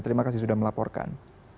terima kasih sudah melaporkan